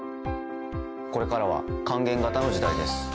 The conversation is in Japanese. これからは還元型の時代です